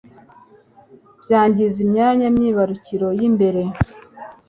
byangiza imyanya myibarukiro y'imbere